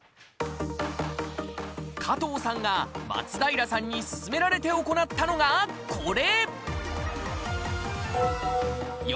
加藤さんが松平さんにすすめられて行ったのがこれ！